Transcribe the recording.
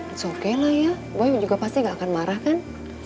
it's okay lah ya boy juga pasti gak akan marah kan